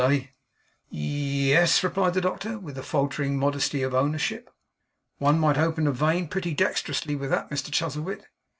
Eh!' 'Ye es,' replied the doctor, with the faltering modesty of ownership. 'One might open a vein pretty dexterously with that, Mr Chuzzlewit.